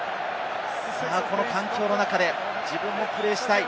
この環境の中で自分もプレーしたい。